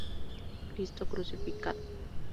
Cristo Crucificado.